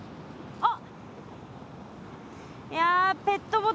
あっ。